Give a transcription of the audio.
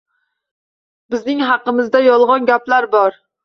Bizning haqimizda yolg‘on gaplar bor.